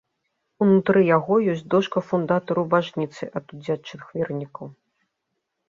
Унутры яго ёсць дошка фундатару бажніцы ад удзячных вернікаў.